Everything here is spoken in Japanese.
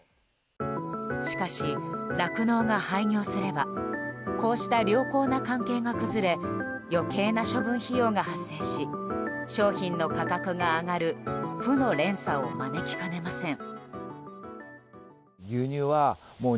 しかし、酪農が廃業すればこうした良好な関係が崩れ余計な処分費用が発生し商品の価格が上がる負の連鎖を招きかねません。